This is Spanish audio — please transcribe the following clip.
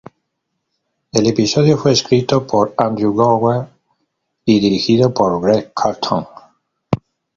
El episodio fue escrito por Andrew Goldberg y dirigido por Greg Colton.